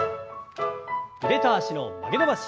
腕と脚の曲げ伸ばし。